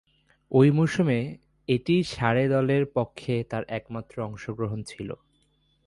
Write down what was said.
ঐ মৌসুমে এটিই সারে দলের পক্ষে তার একমাত্র অংশগ্রহণ ছিল।